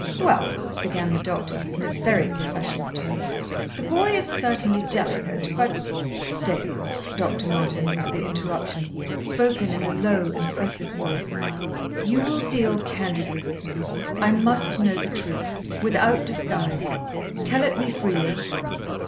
"Well," began the doctor, in a very professional tone, "the boy is certainly delicate. But " "Stay, Dr. Martin," was the interruption, spoken in a low, impressive voice, "you will deal candidly with me. I must know the truth, without disguise. Tell it me freely."